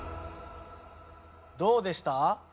どうでした？